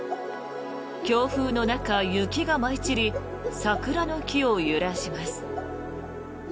強風の中、雪が舞い散り桜の木を揺らします。